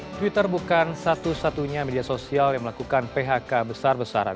twitter bukan satu satunya media sosial yang melakukan phk besar besaran